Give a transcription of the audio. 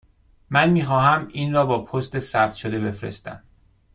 من می خواهم این را با پست ثبت شده بفرستم.